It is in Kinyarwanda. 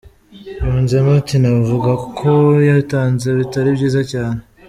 Yunzemo ati "Navuga ko yitanze bitari byiza cyane.